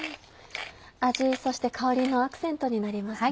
味そして香りのアクセントになりますね。